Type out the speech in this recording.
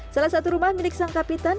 salah satu rumah milik sang kapitan